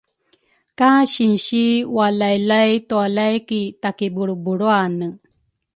Ka sinsi walaylay tualay ki takibulrubulruane.